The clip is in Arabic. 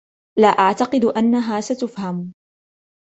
لا أعتقد أنها ستفهم.